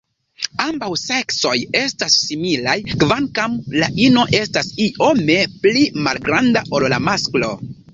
Ambaŭ seksoj estas similaj, kvankam la ino estas iome pli malgranda ol la masklo.